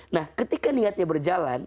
nah ketika niatnya berjalan